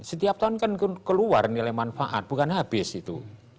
setiap tahun kan keluar nilai manfaat bukan habis itu